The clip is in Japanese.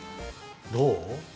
どう？